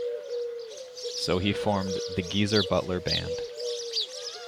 So he formed the "Geezer Butler Band".